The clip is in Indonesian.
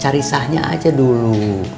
cari sahnya aja dulu